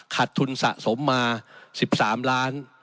ทุนสะสมมา๑๓ล้าน